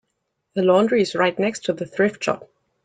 The laundry is right next to the thrift shop.